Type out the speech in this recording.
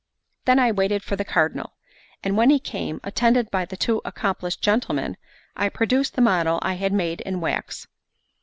Then I waited for the Cardinal; and when he came, attended by the two accomplished gentlemen, I produced the model I had made in wax.